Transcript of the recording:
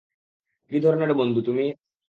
কি ধরনের বন্ধু তুমি?